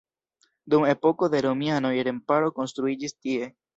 Dum epoko de romianoj remparo konstruiĝis tie.